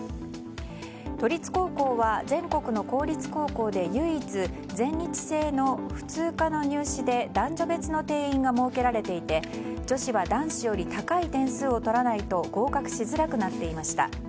都立高校は全国の公立高校で唯一、全日制の普通科の入試で男女別の定員が設けられていて女子は男子より高い点数を取らないと合格しづらくなっていました。